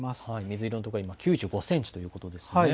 水色の所、今、９５センチということですね。